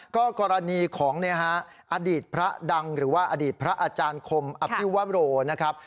ก็กรณีของอดีตพระดังหรือว่าอดีตพระอาจารย์คมอภิวโรนะครับ